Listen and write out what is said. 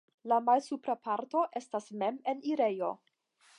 La malsupra parto estas mem la enirejo.